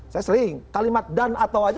saya sering kalimat dan atau aja